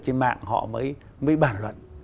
trên mạng họ mới bản luận